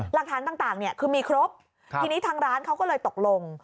หลักฐานต่างเนี่ยคือมีครบทีนี้ทางร้านเขาก็เลยตกลง